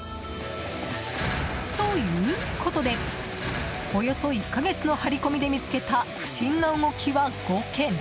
ということで、およそ１か月の張り込みで見つけた不審な動きは５件。